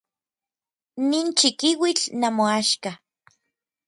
Nin chikiuitl namoaxka.